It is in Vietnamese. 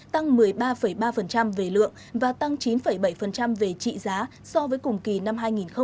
tăng một mươi ba ba về lượng và tăng chín bảy về trị giá so với cùng kỳ năm hai nghìn một mươi chín